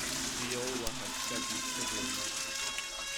Viola had seven siblings.